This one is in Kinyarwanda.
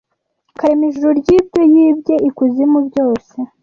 akarema ijuru ryibyo yibye ikuzimu byose